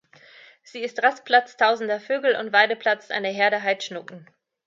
Sie ist Rastplatz tausender Vögel und Weideplatz einer Herde Heidschnucken.